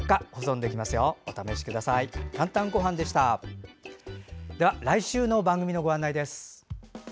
では来週の番組のご案内です。